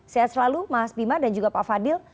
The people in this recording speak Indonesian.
sehat selalu mas bima dan juga pak fadil